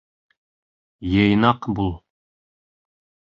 Йыйнаҡ бул